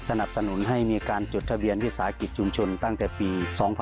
สนับสนุนให้มีการจดทะเบียนวิสาหกิจชุมชนตั้งแต่ปี๒๕๖๒